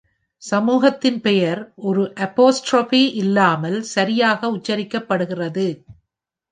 சமூகத்தின் பெயர் ஒரு அபோஸ்ட்ரோபி இல்லாமல் சரியாக உச்சரிக்கப்படுகிறது.